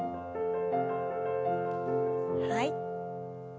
はい。